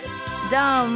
どうも。